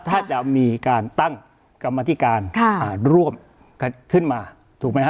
ถ้าจะมีการตั้งกรรมธิการร่วมขึ้นมาถูกไหมฮะ